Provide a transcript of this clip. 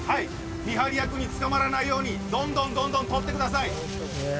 見張り役に捕まらないようどんどん取ってください。